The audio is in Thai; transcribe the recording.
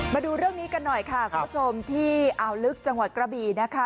มาดูเรื่องนี้กันหน่อยค่ะคุณผู้ชมที่อ่าวลึกจังหวัดกระบี่นะคะ